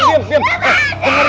diam diam diam